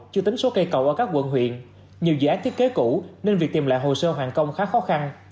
chưa tính số cây cầu ở các quận huyện nhiều dự án thiết kế cũ nên việc tìm lại hồ sơ hoàn công khá khó khăn